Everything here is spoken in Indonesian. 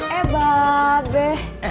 eh mbak be